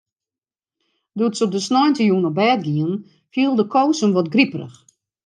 Doe't se op dy sneintejûn op bêd giene, fielde Koos him wat griperich.